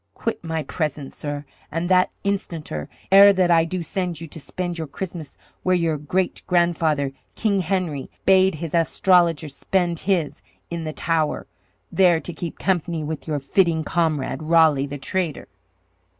Quit my presence, sirrah, and that instanter, ere that I do send you to spend your Christmas where your great grandfather, King Henry, bade his astrologer spend his in the Tower, there to keep company with your fitting comrade, Raleigh, the traitor!"